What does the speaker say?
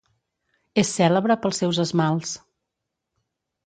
És cèlebre pels seus esmalts.